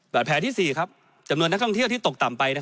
แบบแผลที่สี่ครับจำนวนนักท่องเที่ยวที่ตกต่ำไปนะครับ